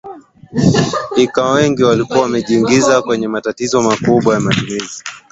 ika wengi wao wakiwa wamejiingiza kwenye matatizo makubwa ya matumizi